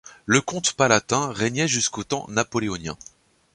Le comte palatin régnait jusqu'au temps napoléonien.